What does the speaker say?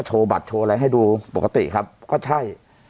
โชว์บัตรโชว์อะไรให้ดูปกติครับก็ใช่